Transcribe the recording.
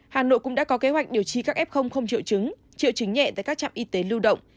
hà nội cũng đã có kế hoạch điều trị các f không triệu chứng triệu chứng nhẹ tại các trạm y tế lưu động